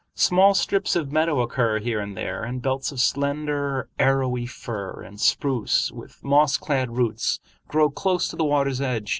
Small strips of meadow occur here and there, and belts of slender arrowy fir and spruce with moss clad roots grow close to the water's edge.